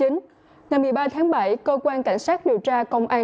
ngày một mươi ba tháng bảy cơ quan cảnh sát điều tra công an